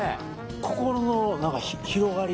心の広がり